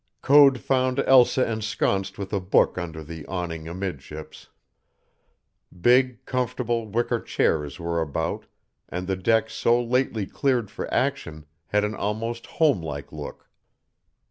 Code found Elsa ensconced with a book under the awning amidships. Big, comfortable wicker chairs were about and the deck so lately cleared for action had an almost homelike look.